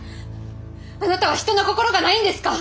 あなたは人の心がないんですか！？